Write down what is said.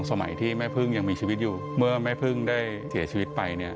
สมัยที่แม่พึ่งยังมีชีวิตอยู่เมื่อแม่พึ่งได้เสียชีวิตไปเนี่ย